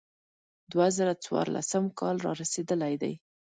دوه زره څوارلسم کال را رسېدلی دی.